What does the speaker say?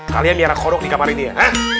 kalian miara kodok di kamar ini ya